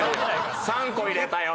「３個入れたよ